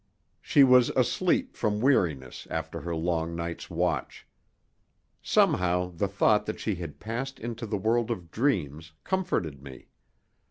She was asleep from weariness after her long night's watch. Somehow the thought that she had passed into the world of dreams comforted me.